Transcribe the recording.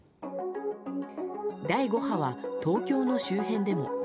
第５波は東京の周辺でも。